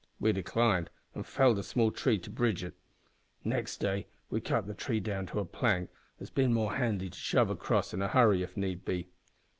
We declined, and felled a small tree to bridge it. Next day we cut the tree down to a plank, as bein' more handy to shove across in a hurry if need be.